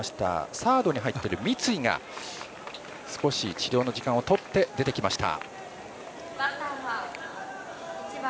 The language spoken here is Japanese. サードに入っている三井が治療の時間をとって出てきました。